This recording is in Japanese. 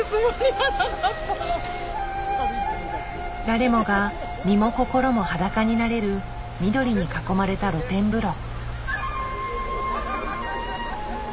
誰もが身も心も裸になれる緑に囲まれた露天風呂。